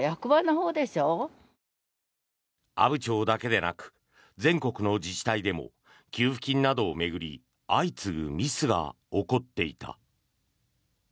阿武町だけでなく全国の自治体でも給付金などを巡り相次ぐミスが起こっていた。